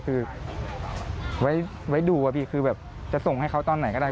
คือไว้ดูอะพี่คือแบบจะส่งให้เขาตอนไหนก็ได้